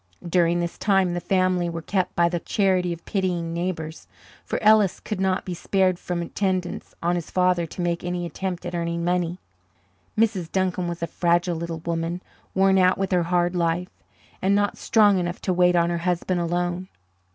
During this time the family were kept by the charity of pitying neighbours, for Ellis could not be spared from attendance on his father to make any attempt at earning money. Mrs. Duncan was a fragile little woman, worn out with her hard life, and not strong enough to wait on her husband alone.